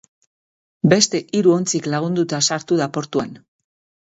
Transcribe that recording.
Beste hiru ontzik lagunduta sartu da portuan.